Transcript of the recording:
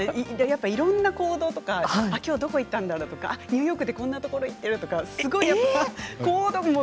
いろんな行動とか今日どこに行ったんだろうとかニューヨークでこんなところに行っているとかうれしい。